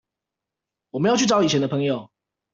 我們要去找以前的朋友